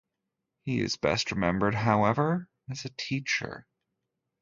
He is best remembered, however, as a teacher.